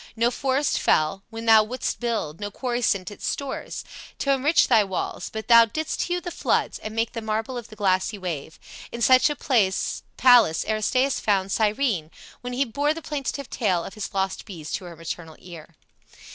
No forest fell When thou wouldst build, no quarry sent its stores T' enrich thy walls; but thou didst hew the floods And make thy marble of the glassy wave. In such a palace Aristaeus found Cyrene, when he bore the plaintive tale Of his lost bees to her maternal ear."